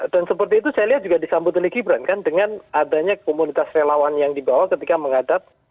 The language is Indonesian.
dan seperti itu saya lihat juga disambut oleh gibran kan dengan adanya komunitas relawan yang dibawa ketika mengadat